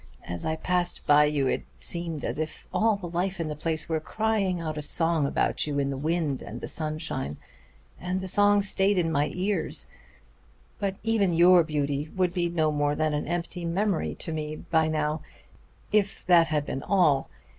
As I passed by you it seemed as if all the life in the place were crying out a song about you in the wind and the sunshine. And the song stayed in my ears; but even your beauty would be no more than an empty memory to me by now if that had been all.